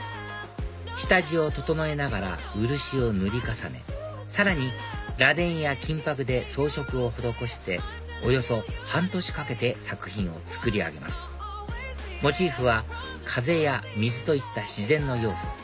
下地を整えながら漆を塗り重ねさらにらでんや金箔で装飾を施しておよそ半年かけて作品を作り上げますモチーフは風や水といった自然の要素